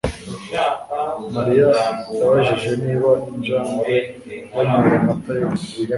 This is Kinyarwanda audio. Mariya yabajije niba injangwe yanyoye amata yose